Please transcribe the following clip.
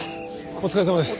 お疲れさまです。